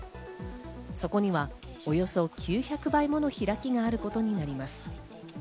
そこにはおよそ９００倍もの開きがあることになります。